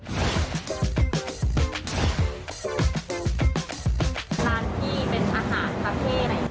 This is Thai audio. ร้านที่เป็นอาหารประเภท